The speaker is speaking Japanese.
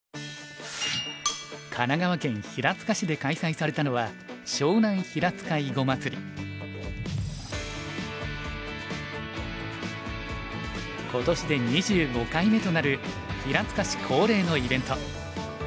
神奈川県平塚市で開催されたのは今年で２５回目となる平塚市恒例のイベント。